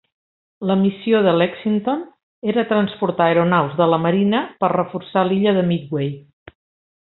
La missió del Lexington era transportar aeronaus de la Marina per reforçar l'illa de Midway.